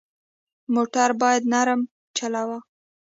موټر باید نرم چلوه.